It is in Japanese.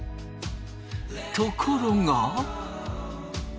ところが。